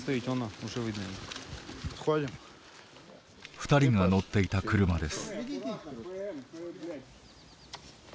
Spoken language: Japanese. ２人が乗っていた車です。